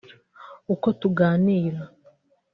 uko tuganira